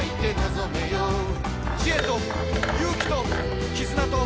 「知恵と勇気ときずなと」